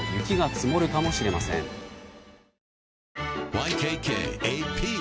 ＹＫＫＡＰ